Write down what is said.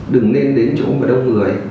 đừng nên đến chỗ mà đông người